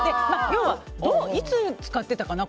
要は、いつ使ってたかな